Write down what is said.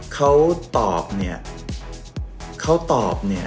ขอบคุณครับคุณแอน